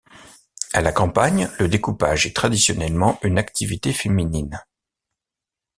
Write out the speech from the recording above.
À la campagne, le découpage est traditionnellement une activité féminine.